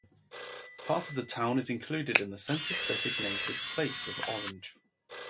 Part of the town is included in the census-designated place of Orange.